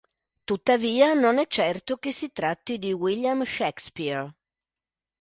Tuttavia non è certo che si tratti di William Shakespeare.